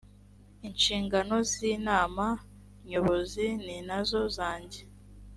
inshingano z inama nyobozi ninazo zanjye.